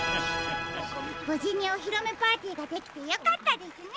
ぶじにおひろめパーティーができてよかったですね！